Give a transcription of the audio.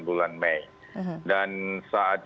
bulan mei dan saat